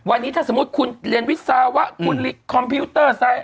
วันนี้ถ้าสมมุติคุณเรียนวิศวะคุณคอมพิวเตอร์ไซต์